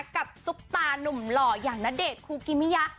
กับซุปตานุ่มหล่อยอย่างนเดชครูกิมมียะ